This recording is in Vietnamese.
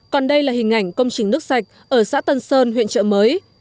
còn đây là hình ảnh công trình nước sạch ở xã tân sơn huyện trợ mới